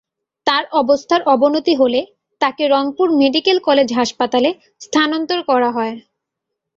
তাঁর অবস্থার অবনতি হলে তাঁকে রংপুর মেডিকেল কলেজ হাসপাতালে স্থানান্তর করা হয়।